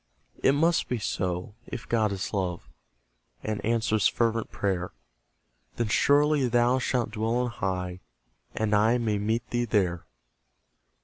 It must be so, if God is love, And answers fervent prayer; Then surely thou shalt dwell on high, And I may meet thee there.